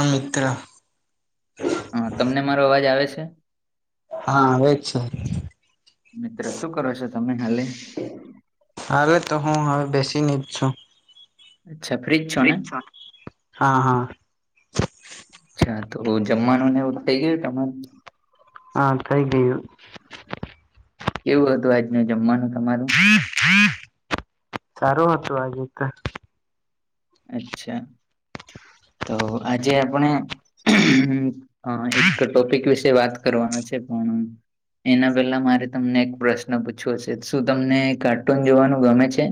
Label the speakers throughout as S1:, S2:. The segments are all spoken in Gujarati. S1: આ મિત્ર.
S2: હા, તમને મારો અવાજ આવે છે?
S1: હા, આવે જ છે.
S2: મિત્ર શું કરો છો તમે હાલે?
S1: હવે તો હું હવે બેસીની જ છું.
S2: અચ્છા ફ્રિ
S1: હા હા.
S2: અચ્છા તો જમવાનું ને એવ થઈ ગયુ તમારું?
S1: હા કઈ બી.
S2: કેવું હતું આજનું જમવાનું તમારું?
S1: સારું હતું આજે તો.
S2: અચ્છા, તો આજે આપણે એક ટોપિક વિશે વાત કરવાનો છે પણ એના પેલા મારે તમને એક પ્રશ્ન પૂછવ્યો છે, શું તમને કાર્ટૂન જોવાનું ગમે છે?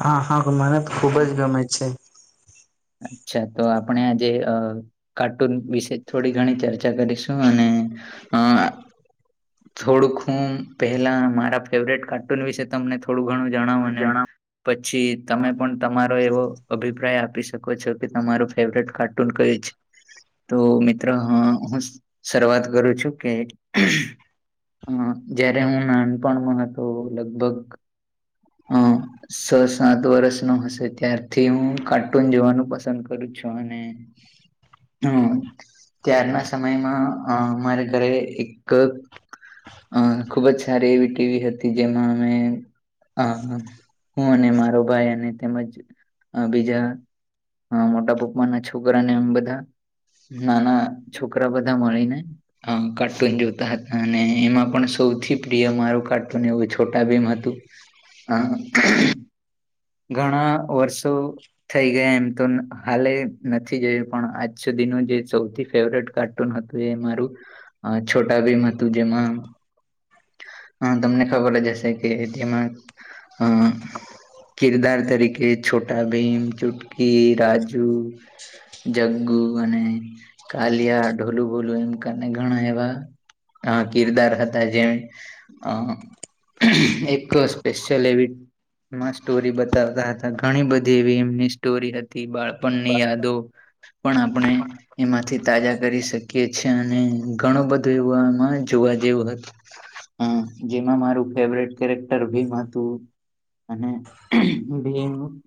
S1: હા હા, મને તો ખુબ જ ગમે છે.
S2: અચ્છા, તો આપણે આજે અ કાર્ટૂન વિશે થોડી ઘણી ચર્ચા કરીશું અને અ થોડું ખૂબ પેલા મારા ફેવરેટ કાર્ટૂન વિશે તમને થોડું ઘણું. જણાવોને પછી તમે પણ તમારો એવો અભિપ્રાય આપ શકો છો કે તમારું ફેવરેટ કાર્ટૂન કયું છે? તો મિત્રો હું શરૂઆત કરું છું કે હમ્મ, જયારે હું નાનપણમાં હતો લગભગ. અ સ, સાત વર્ષ નો હશે ત્યારથી હું કાર્ટુન કાર્ટુન જોવાનું પસંદ કરું છું અને હમ, ત્યારના સમયમાં અ મારે ઘરે એક અ ખુબ જ સારી એવી ટીવી હતી, જેમાં અમે અ હું અને મારો ભાઈ અને તેમજ બીજા હ, મોટા પપ્પા ના છોકરાને એમ બધા નાના છોકરા બધા મળીને અ કાર્ટૂન જોતા હતા અને એમાં પણ સૌથી પ્રિય મારું કાર્ટૂન એવું છોટા ભીમ હતું. હા હા. ઘણા વર્ષો થઈ ગયા એમ તો કાલે નથી જોઈ, પણ આજ સુધીનું જે સૌથી ફેવરેટ કાર્ટૂન હતું એ મારું અ છોટા બીમ હતું જેમાં હ, તમને ખબર જ હશે કે જેમાં અ કિરદાર તરીકે છોટા ભીમ, ચુટકી, રાજુ જગ્ગુ અને કાલિયા, ઢોલું-ભોલું એમ ઘણા એવા અ, કિરદાર હતા જેમ અ એક સ્પેશિયલ એવી મસ્ટ સ્ટોરી બતાવતા હતા, ઘણી બધી એવી એમની સ્ટોરી હતી. બાળપણની યાદો પણ આપણે એમાંથી તાજા કરી શકીએ છેએ અને ઘણું બધું એવું એમાં જોવા જેવું હતું. હ, જેમાં મારું ફેવરેટ કેરેક્ટર ભીમ હતું અને બેીમ. [unintelligible]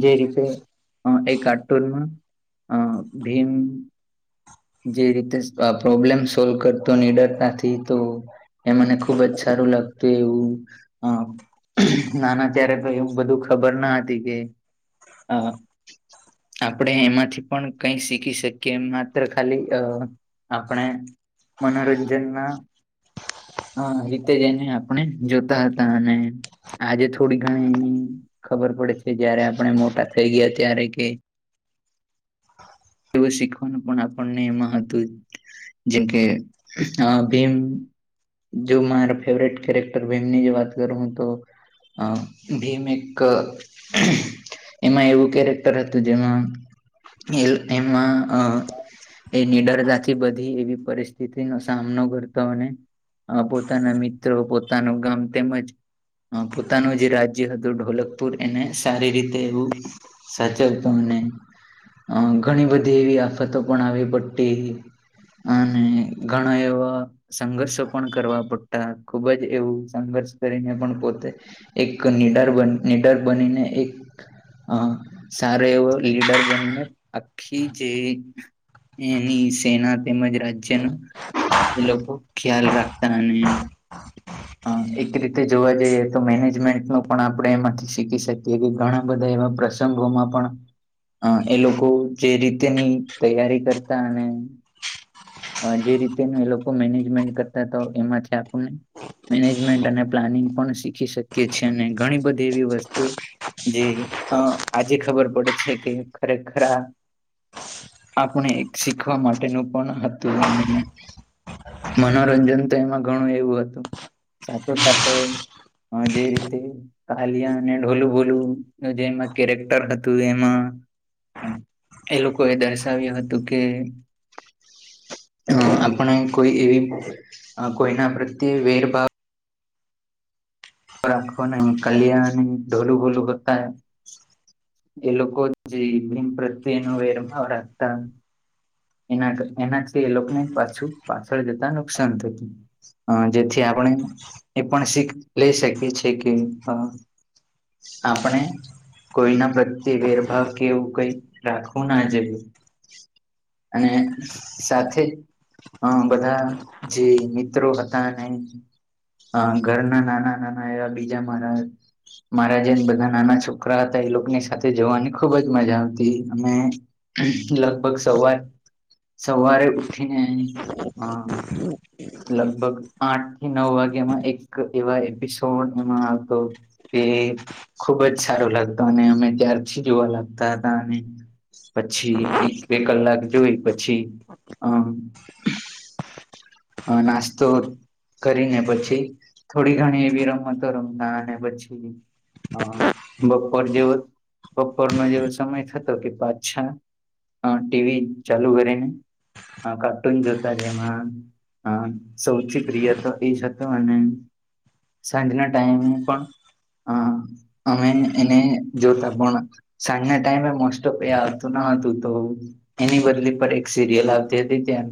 S2: જે રીતે અ એ કાર્ટૂનમાં અ ભીમ. જે રીતે પ્રોબ્લેમ સોલ્વ કરતો, નીડરતા તો. એ મને ખુબ જ સારું લાગતું, એવું નાના. ત્યારે તો એવું બધું ખબર ના હતી કે, હ. આપણે એમાંથી પણ કઈ શીખી શકીએ, એ માત્ર ખાલી અ. આપણે મનોરંજન ના. હ, રીતે જઈને આપણે જોતા હતા અને આજે તો થોડી ઘણી ખબર પડે છે, જયારે આપણે મોટા થઈ ગયા ત્યારે કે એવું શીખવાનું પણ આપણને એમાં હતું. જેમ કે, આ ભીમ. જો મારા ફેવરેટ કેરેક્ટર ભીમની જે વાત કરું તો અ ભીમ એક એમાં એવું કેરેક્ટર હતું જેમાં એલ એમાં અ એ નિડરતાથી બધી એવી પરિસ્થિતિનો સામનો કરતો હને આ પોતાના મિત્રો, પોતાનું ગામ તેમજ પોતાનું જે રાજ્ય હતું, ઢોલકપુર એને સારી રીતે એવું સાચવતો અને ઘણી બધી એવી આફતો પણ આવી પડતી. અને ઘણા એવા સંઘર્ષો પણ કરવા પડતા, ખુબ જ એવું સંઘર્ષ કરીને પણ પોતે એક નીડર બન નીડર બનીને એક હ, સારો એવો લીડર બનીને આખી જે એની સેના તેમજ રાજ્યનું એ લોકો ખ્યાલ રાખતા અને એક રીતે જોવા જઈએ તો મેનેજમેન્ટ ન પણ આપણે એમાંથી શીખી શકીએ કે ઘણા બધા એવા પ્રસંગોમાં પણ. અ એ લોકો જે રીતેની તૈયારી કરતા અને. જે રીતે એ લોકો મેનેજમેન્ટ કરતા હતા, એમાં મેનેજમેન્ટ અને પ્લાનિંગ પણ શીખી શકીએ છીએ અને ઘણી બધી એવી વસ્તુ જી, આજે ખબર પડે છે કે ખરેખર આપણે શીખવા માટેનું પણ હતું, અને મનોરંજન તો એમાં ઘણું એવું હતું, સૈ સાથે હા જે રીતે. કાલિયા અને ઢોલું બોલું જેમાં કેરેક્ટર હતું એમાં. એ લોકો એ દર્શાવ્યું હતું કે. અ આપણે કોઈ એવી કોઈના પ્રત્યે વેરભાવ. રાખો ન કલ્યાણ ઢોલું ભોલું હોતા. એ લોકો જે ભિમ પ્રત્યે નો વેરભાવ રાખતા. એના એનાથી એ લોકોને પાછું પાછળ જતા નુકસાન થતું. અ જેથી આપણે એ પણ શીખ લઈ શકીએ છેએ કે. આપણે. કોઈના પ્રત્યે વેરભાવ કે એવું કઈ રાખવું ના જોયે. અને સાથે હ બધા જે મિત્રો હતા ને. અ ઘરના નાના નાના એવા બીજા મારા. મારા જેમ બધા નાના છોકરા હતા એ લોકોની સાથે જવાની ખુબ જ મજા આવતી અને. લગભગ સવાર. સવારે ઉઠી અ લગભગ આઠ. નવ વાગ્યામાં એક એવા એપિસોડ એમાં આવતો એ ખુબ જ સારો લાગતું અને અમે ત્યારથી જોવા લાગતા હતા અને પછી એક બે કલાક જોઈ પછી આમ હ નાસ્તો કરીને પછી થોડી ઘણી એવી રમતો રમતા અને પછી હા બપોર જેવું બપોરનો જેવો સમય થતો કે પાછા ટીવી ચાલુ કરીને હ કાર્ટૂન જોતા એમાં હ સૌથી પ્રિય તો એ જ હતો અને સાંજના ટાઈમે પણ હ અમે એને જોતા પણ સાંજના ટાઈમે મોસ્ટ ઓફ આવતું ન હતું તો એની બદલી પર એક સિરિયલ આવતી હતી ત્યાર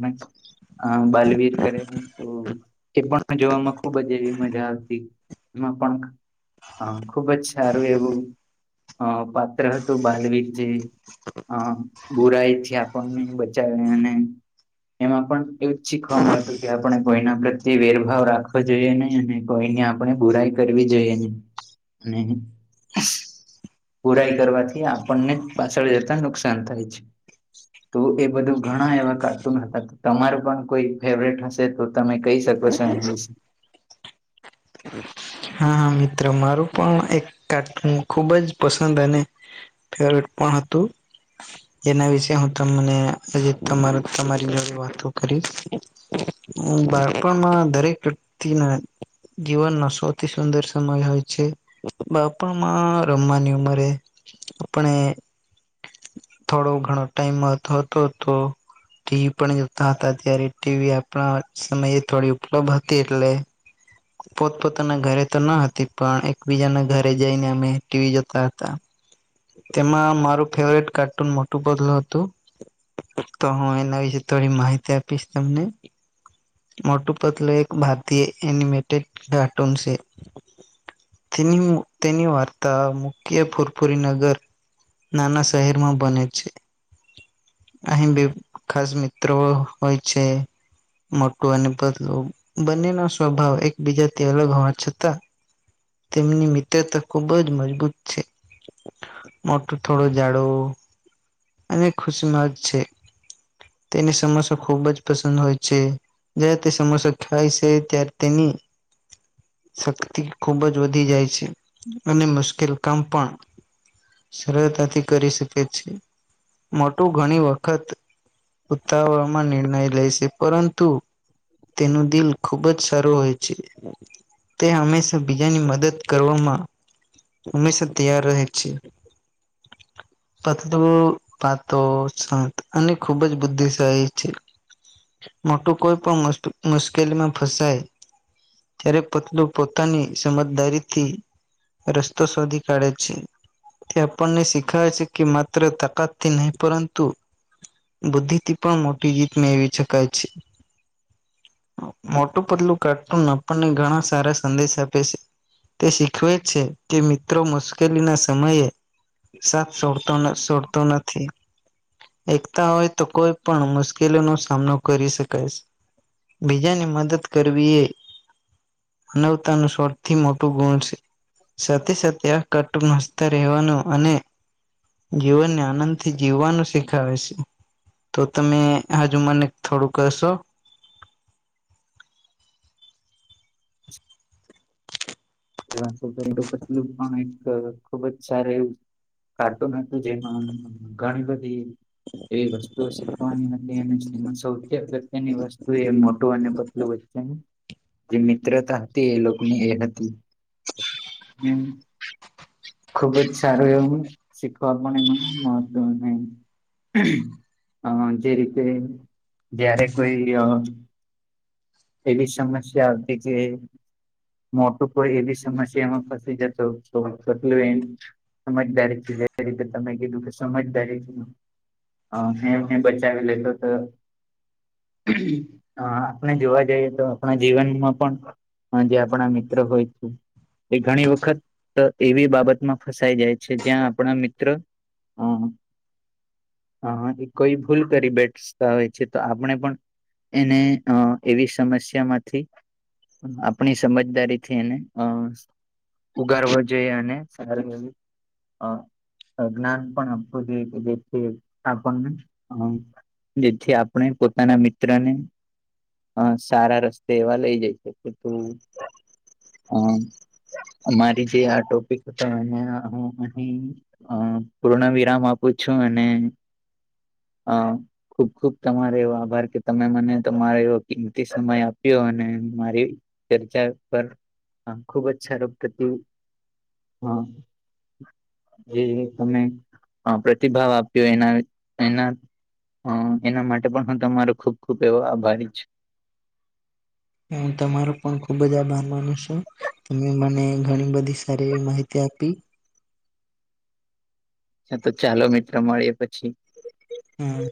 S2: અ બાલવીર એ પણ જોવામાં ખુબ જ એવી મજા આવતી એમાં પણ હ ખુબ જ સારું એવું અ પાત્ર હતું બાલવીર જે અ બુરાઈ થી આપણને બચાવે અને એમાં પણ એવું જ શીખવા મળતું કે આપણે કોઈના પ્રત્યે વેરભાવ રાખવો જોઈએ નહી અને કોઈની આપણે બુરાઈ કરવી જોઈએ નહી અને બુરાઈ કરવાથી આપણને પાછળ જતા નુકસાન થાય છે તો એ બધું ઘણા એવા કાર્ટૂન હતા તમારું પણ કોઈ ફેવરેટ હશે તો તમે કહી શકો છો એના વિશે
S1: હા હ મિત્ર મારું પણ એક કાર્ટન ખુબ જ પસંદ અને ફેવરેટ પણ હતું એના વિશે હું તમને હજ તમાર તમારી જો વાતો કરી બાળપણમાં દરેક વ્યક્તિના જીવનમાં સૌથી સુંદર સમય હોય છે બાપણમાં રમવાની ઉંમરે આપણે થોડો ઘણો ટાઈમ હતો તો ટીવી પણ જોતા હતા ત્યારે ટીવી આપણા સમયે થોડી ઉપલબ્ધ હતી એટલે પોતપોતાના ઘરે તો ન હતી પણ એકબીજાના ઘરે જઈને અમે ટીવી જોતા હતા તેમાં મારું ફેવરેટ કાર્ટૂન મોટું બદલું હતું તો હું એના વિશેે થોડી માહિતી આપીશ તમને મોટું પતલ એક ભારતીય એનિમેટેડ કાર્ટૂન છે. તેની તેની વાર્તા મુખ્ય ફુરફુંરી નગર નાના શહેરમાં બને છે. અહી બી ખાસ મિત્રો હોય છે. મોટું અને બદલું બંનેનો સ્વભાવ એકબીજાથી અલગ હોવા છતાં તેમની મિત્રતા ખૂબ જ મજબૂત છે. મોટું થોડું જાડું અને ખુશી માં જ છે. તેની સમસો ખુબ જ પસંદ હોય છે. જે તે સમસો ખવાય છે તાર તેની શક્તિ ખુબ જ વધી જાય છે અને મુશ્કેલ કામ પણ સરળતાથી કરી શકે છે મોટું ઘણી વખત ઉતાવળમાં નિર્ણય લે છે પરંતુ તેનું દિલ ખુબ જ સારું હોય છે. તે હંમેશા બીજાની મદદ કરવામાં હમેશ તૈયાર રહે છે.
S2: [inaudible]
S1: પતલું પાતો સંત અને ખૂબ જ બુદ્ધિશાળી છે. મોટું કોઈ પણ મુશ્કેલીમાં ફસાય ત્યારે પતલું પોતાની સમજદારીથી રસ્તો શોધી કાઢે છે. તે આપણને શીખવે છે કે માત્ર તાકાતથી નહી પરંતુ બુદ્ધિથી પણ મોટી જીત મેળવી શકાય છે. મોટું પગલું કાર્ટૂન આપણને ઘણા સારા સંદેશ આપે છે. તે શીખવે છે કે મિત્રો મુશ્કેલી ના સમયે સા સોડતો સોડતો નથી. એકતા હોય તો કોઈ પણ મુશ્કેલી ન સામનો કરી શકાય છે. બીજાની મદદ કરવી એ અને સૌથી મોટું ગુણ છે. સાથે સાથે કટુંમસ્ત રહેવાનું અને જીવનને આનંદ થી જીવવાનું શીખાવે છે. તો તમે હજુ મને થોડું કેશો
S2: [inaudible] [unintelligible] પણ એક ખુબ જ સારું એવું કાર્ટૂન હતું જેમાં ઘણી બધી એવી વસ્તુઓ શીખવાની [unintelligible] અગત્યની વસ્તુ એ મોટું અને પતલું વચ્ચે જે મિત્રતા હતી એ લોકોની એ હતી. હમ. ખુબ જ સારું એવું શીખવા પણ એમાં [unintelligible] અ જે રીતે જયારે કોઈ એવી સમસ્યા હતી હતી કે મોટું કોઈ એવી સમસ્યામાં ફસી જતો તો પટલું એમ સમજદારી રીતે તમે કીધું કે સમજદારી અ હે બચાવી લેતો હ આપણે જોવા જઈએ તો આપણા જીવનમાં પણ હ જે આપણા મિત્ર હોય એ ઘણી વખત એવી બાબતમાં ફસાઈ જાય છે જ્યાં આપણા મિત્ર હા. હ એ કોઈ ભૂલ કરી બેઠસતા હોય છે તો આપણે પણ એને એવી સમસ્યા માંથી આપણી સમજદારીથી એને હ ઉગારવ જોઈએ અને સાર હ જ્ઞાન પણ આપવું જોઈએ કે જે છે આપણને જેથી આપણે પોતાના મિત્રને હ સારા રસ્તે એવા લઇ જઈ શક તું અ અમારી જે આ ટોપિક હતો એને હું અ હ પૂર્ણ વિરામ આપું છું અને હ ખુબ ખુબ તમારો એવો આભાર કે તમે મને તમારો એવો કિંમતી સમય આપ્યો અને મારી ચર્ચા પણ હા ખૂબ અચછા રો પ્રતિ હા જે તમે પ્રતિભાવ આપ્યો એના એના હ એના માટે પણ હું તમારો ખુબ ખુબ એવો આભારી જ છે
S1: હું તમારો પણ ખુબ જ આભાર માનું છું તમે મને ઘણી બધી સારી એવી માહિતી આપી
S2: હ તો ચાલો મિત્ર મળી પછી
S1: હમ